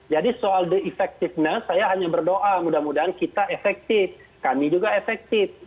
jadi soal efektifnya saya hanya berdoa semoga kami efektif